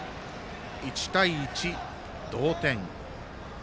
１対１、同点。